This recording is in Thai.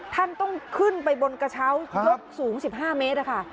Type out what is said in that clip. ท่านต้องขึ้นไปบนกระเช้ายกสูง๑๕เมตรค่ะ